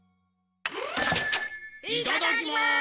いただきます！